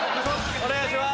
お願いします。